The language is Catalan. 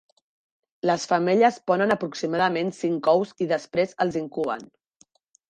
Les femelles ponen aproximadament cinc ous i després els incuben.